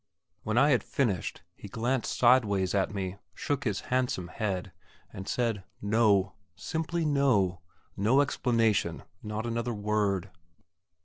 When I had finished, he glanced sideways at me, shook his handsome head, and said, "No"; simply "no" no explanation not another word.